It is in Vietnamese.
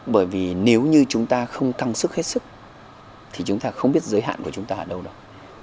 bởi vì nếu như chúng ta không căng sức hết sức thì chúng ta không biết giới hạn của chúng ta ở đâu đâu